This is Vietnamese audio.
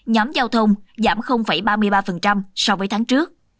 nhóm giao thông giảm ba mươi ba so với tháng trước